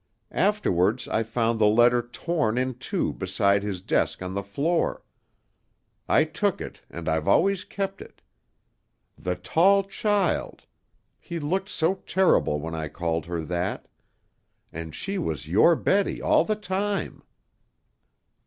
Afterwards I found the letter torn in two beside his desk on the floor. I took it and I've always kept it. 'The tall child'! He looked so terrible when I called her that.... And she was your Betty all the time!"